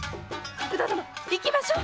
徳田殿行きましょう！